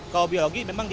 kalau biologi memang dia